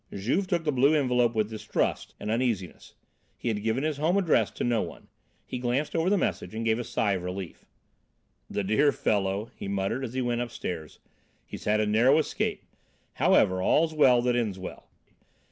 Juve took the blue envelope with distrust and uneasiness. He had given his home address to no one. He glanced over the message, and gave a sigh of relief. "The dear fellow," he muttered as he went upstairs. "He's had a narrow escape; however, all's well than ends well."